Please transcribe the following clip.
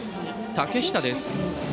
竹下です。